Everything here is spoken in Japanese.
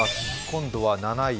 今度は７位。